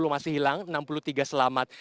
dua puluh masih hilang enam puluh tiga selamat